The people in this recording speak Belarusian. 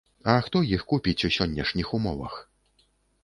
А хто іх купіць у сённяшніх умовах?